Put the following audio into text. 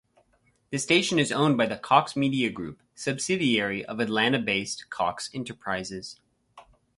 The station is owned by the Cox Media Group subsidiary of Atlanta-based Cox Enterprises.